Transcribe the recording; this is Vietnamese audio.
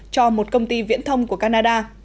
cho một công ty viễn thông của canada